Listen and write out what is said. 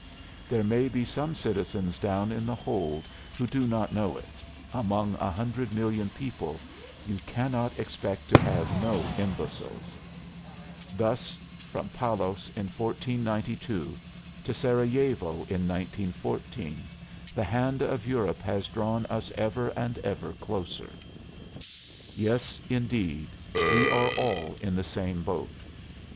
There may be some citizens down in the hold who do not know it among a hundred million people you cannot expect to have no imbeciles. Thus, from Palos, in 1492, to Sarajevo, in 1914, the hand of Europe has drawn us ever and ever closer. Yes, indeed; we are all in the same boat.